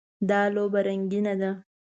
دا لوبه رنګینه ده.